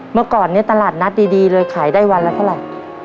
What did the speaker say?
เมื่อก่อนเนี่ยตลาดนัดดีเลยขายได้วันละเท่าไหร่